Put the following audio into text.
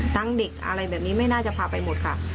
เด็กอะไรแบบนี้ไม่น่าจะพาไปหมดค่ะ